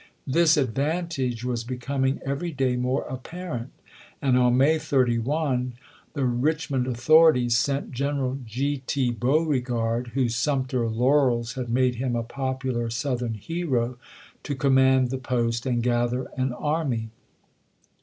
This advantage was becoming every day more apparent, and on May 31 the Eich mond authorities sent Greneral G. T. Beauregard, whose Sumter laurels had made him a popular Southern hero, to command the post and gather an army.